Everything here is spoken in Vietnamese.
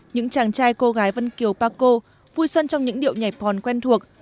những chàng trai cô gái vân kiều pa co vui xuân trong những điệu nhảy porn quen thuộc